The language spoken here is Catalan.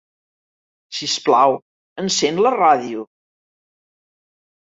Sisplau, encén la ràdio.